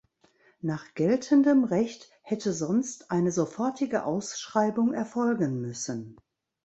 Nach geltendem Recht hätte sonst eine sofortige Ausschreibung erfolgen müssen.